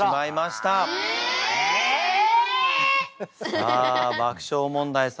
さあ爆笑問題様